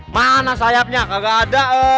mana sayapnya gak ada nge